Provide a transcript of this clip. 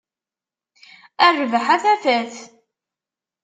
A rrbeḥ, a tafat!